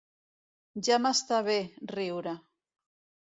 Ja m'està bé, riure.